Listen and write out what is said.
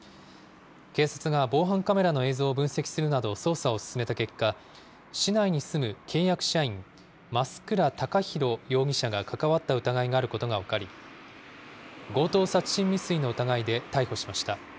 警察が防犯カメラの映像を分析するなど捜査を進めた結果、市内に住む契約社員、増倉孝弘容疑者が関わった疑いがあることが分かり、強盗殺人未遂の疑いで逮捕しました。